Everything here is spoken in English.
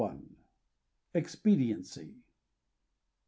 EXPEDIENCY.